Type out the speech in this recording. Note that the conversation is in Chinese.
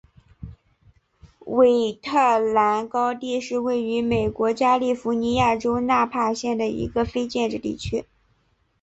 韦特兰高地是位于美国加利福尼亚州纳帕县的一个非建制地区。